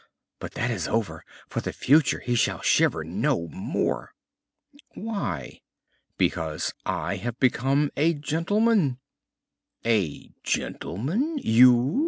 But that is over; for the future he shall shiver no more!" "Why?" "Because I have become a gentleman." "A gentleman you!"